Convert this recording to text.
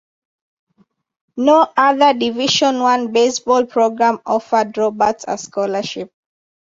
No other Division One baseball program offered Roberts a scholarship.